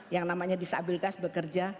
yang namanya disabilitas bekerja